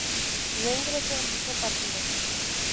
No ingresó en dicho partido.